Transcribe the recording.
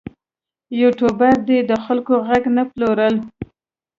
یوټوبر دې د خلکو غږ نه پلوري.